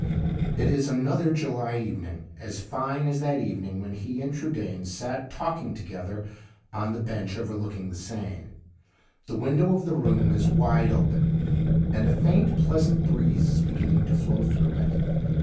It is another July evening, as fine as that evening when he and Trudaine sat talking together on the bench overlooking the Seine. The window of the room is wide open, and a faint, pleasant breeze is beginning to flow through it.